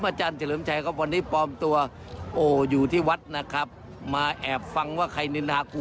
อาจารย์เฉลิมชัยก็เลยต้องปลอมตัวไปแบบนี้ค่ะ